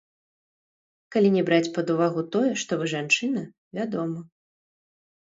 Калі не браць пад увагу тое, што вы жанчына, вядома.